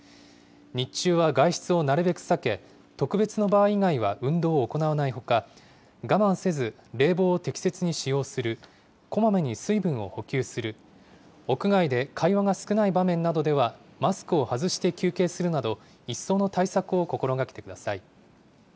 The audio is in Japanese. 日中は外出をなるべく避け、特別の場合以外は運動を行わないほか、我慢せず、冷房を適切に使用する、こまめに水分を補給する、屋外で会話が少ない場面などではマスクを外して休憩するなど、一層の対策を心がけてください。